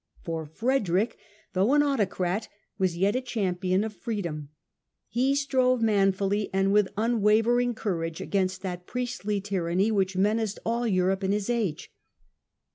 For Frederick, though an autocrat, was yet a champion of freedom. He strove manfully, and with unwavering courage, against that priestly tyranny which menaced all Europe in his age.